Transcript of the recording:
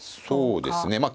そうですね。